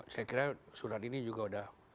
saya kira surat ini juga sudah